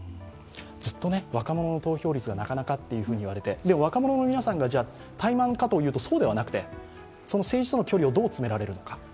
ずっと若者の投票率がなかなかと言われて、若者の皆さんが怠慢かというと、そうではなくて、政治との距離をどう詰められるのか。